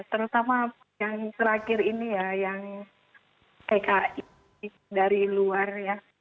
terutama yang terakhir ini ya yang tki dari luar ya